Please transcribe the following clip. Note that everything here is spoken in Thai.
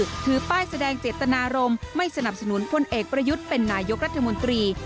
ถือป้ายแสดงเจตนารมณ์ไม่สนับสนุนพลเอกประยุทธ์เป็นนายกรัฐมนตรี